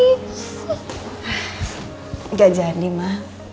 enggak jadi ma